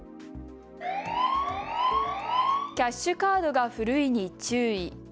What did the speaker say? キャッシュカードが古いに注意。